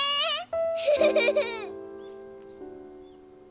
フフフフ。